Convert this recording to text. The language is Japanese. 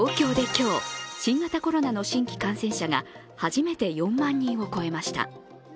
今日、新型コロナの新規感染者が初めて４万人を超えました。